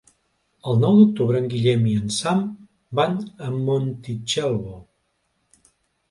El nou d'octubre en Guillem i en Sam van a Montitxelvo.